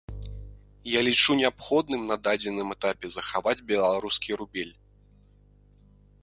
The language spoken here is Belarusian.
Я лічу неабходным на дадзеным этапе захаваць беларускі рубель.